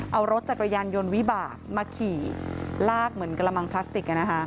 เอารถจักรยานยนต์วิบากมาขี่ลากเหมือนกระมังพลาสติก